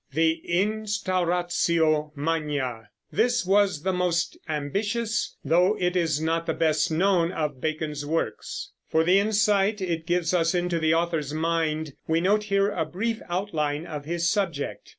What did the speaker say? THE INSTAURATIO MAGNA. This was the most ambitious, though it is not the best known, of Bacon's works. For the insight it gives us into the author's mind, we note here a brief outline of his subject.